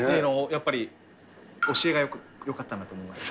やっぱり教えがよかったんだと思います。